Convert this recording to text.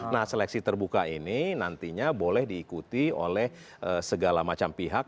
nah seleksi terbuka ini nantinya boleh diikuti oleh segala macam pihak